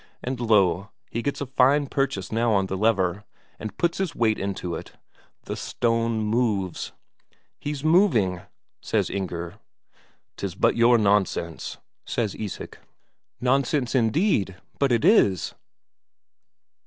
And lo, he gets a fine purchase now on the lever, and puts his weight into it the stone moves! "He's moving," says Inger. "'Tis but your nonsense," says Isak. "Nonsense, indeed! But it is!"